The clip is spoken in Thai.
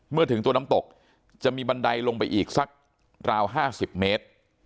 เมื่อถึงตัวน้ำตกจะมีบันไดลงไปอีกสักราว๕๐เมตร